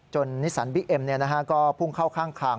นิสันบิ๊กเอ็มก็พุ่งเข้าข้างทาง